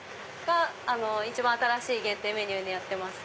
一番新しい限定メニューでやってます。